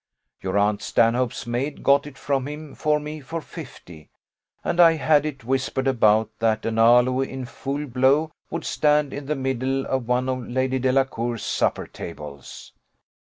Your aunt Stanhope's maid got it from him for me for fifty; and I had it whispered about that an aloe in full blow would stand in the middle of one of Lady Delacour's supper tables.